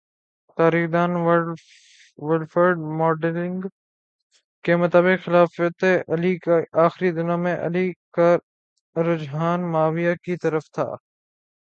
تاریخ دان Wilfred modelling کے مطابق خلافتِ علی کے آخری دنوں میں علی کا رجحان معاویہ کی طرف تھا